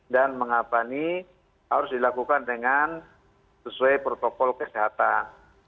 dan mengapa ini harus dilakukan dengan sesuai protokol kesehatan